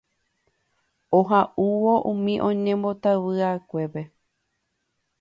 oha'uvõ umi oñembotavyva'ekuépe